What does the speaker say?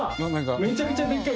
めちゃくちゃでっかい。